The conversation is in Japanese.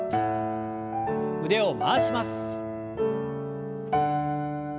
腕を回します。